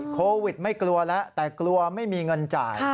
โควิดไม่กลัวแล้วแต่กลัวไม่มีเงินจ่าย